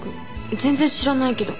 全然知らないけど。